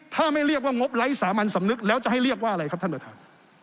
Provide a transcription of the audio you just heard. ถ้าไม่เรียกว่างบไร้สามัญสำนึกแล้วจะให้เรียกว่าอะไรครับท่านประธาน